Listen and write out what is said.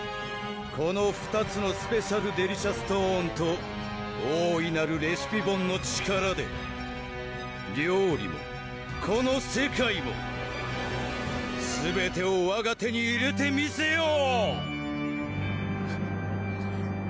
この２つのスペシャルデリシャストーンと大いなるレシピボンの力で料理もこの世界もすべてをわが手に入れてみせよう